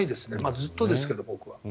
ずっとですけど、僕は。